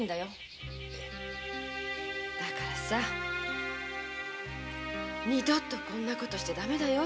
だからさ二度とこんな事をしてはダメだよ。